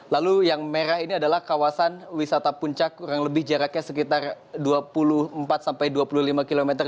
lalu yang merah ini adalah kawasan wisata puncak kurang lebih jaraknya sekitar dua puluh empat sampai dua puluh lima km